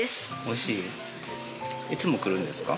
いつも来るんですか？